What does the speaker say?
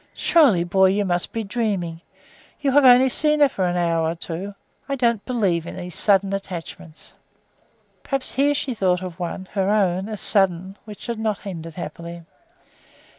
"Surely, boy, you must be dreaming! You have only seen her for an hour or two. I don't believe in these sudden attachments." Perhaps she here thought of one (her own) as sudden, which had not ended happily.